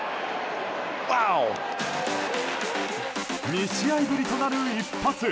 ２試合ぶりとなる一発。